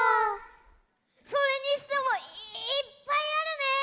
それにしてもいっぱいあるね。